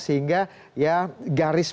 sehingga ya garis